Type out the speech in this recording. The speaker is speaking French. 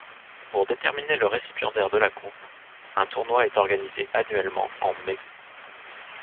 Pour déterminer le récipiendaire de la coupe, un tournoi est organisé annuellement en mai.